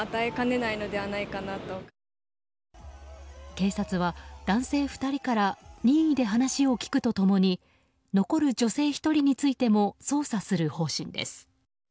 警察は男性２人から任意で話を聞くと共に残る女性１人についても捜査する方針です。